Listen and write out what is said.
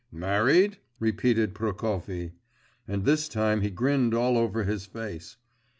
'Married?' repeated Prokofy, and this time he grinned all over his face.